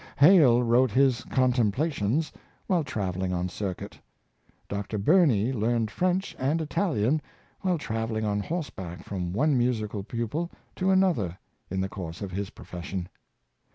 Hale wrote his *' Contemplations " while traveling on circuit. Dr. Burney learned French and Italian while traveling on horseback from one musical pupil to another in the course of his profession.